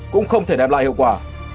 cũng không thể đem lại hiệu quả